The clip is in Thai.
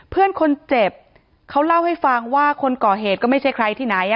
เพื่อนคนเจ็บเขาเล่าให้ฟังว่าคนก่อเหตุก็ไม่ใช่ใครที่ไหน